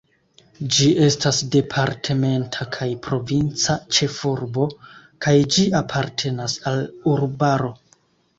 Ĝi estas departementa kaj provinca ĉefurbo kaj ĝi apartenas al urbaro.